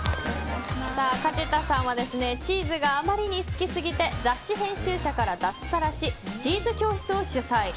梶田さんはチーズがあまりに好きすぎて雑誌編集者から脱サラしチーズ教室を主宰。